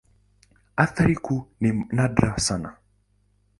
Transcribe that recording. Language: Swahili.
Athari kuu ni nadra sana.